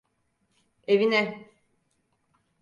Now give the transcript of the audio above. Evine.